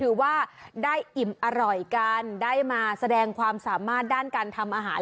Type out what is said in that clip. ถือว่าได้อิ่มอร่อยกันได้มาแสดงความสามารถด้านการทำอาหาร